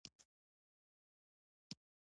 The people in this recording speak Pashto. ژبه د ژور درک وسیله ده